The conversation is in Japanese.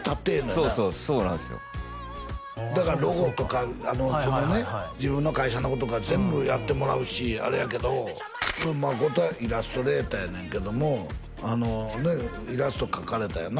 そうそうそうなんすよだからロゴとかそのね自分の会社のこととか全部やってもらうしあれやけど誠はイラストレーターやねんけどもねっイラスト描かれたよな